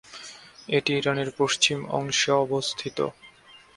এটি ইরানের পশ্চিম অংশে অবস্থিত।